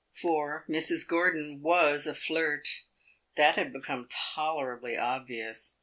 For Mrs. Gordon was a flirt; that had become tolerably obvious.